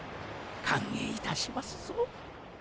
歓迎いたしますぞ。